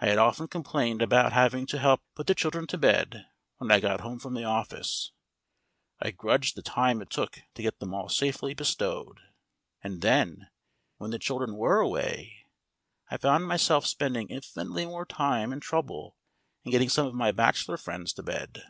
I had often complained about having to help put the children to bed when I got home from the office. I grudged the time it took to get them all safely bestowed. And then, when the children were away, I found myself spending infinitely more time and trouble in getting some of my bachelor friends to bed.